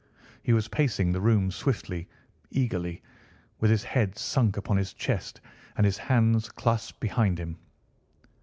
He was pacing the room swiftly, eagerly, with his head sunk upon his chest and his hands clasped behind him.